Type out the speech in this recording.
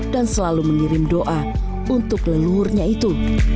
dan selalu mengirim doa untuk leluhurnya itu